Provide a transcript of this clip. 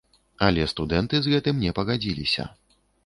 Але студэнты з гэтым не пагадзіліся.